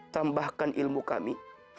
tambahkan ilmu kami